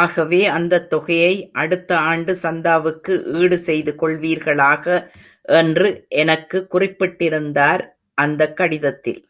ஆகவே, அந்தத் தொகையை அடுத்த ஆண்டுச் சந்தாவுக்கு ஈடு செய்துகொள்வீர்களாக என்று எனக்கு குறிப்பிட்டிருந்தார், அந்தக் கடிதத்தில்.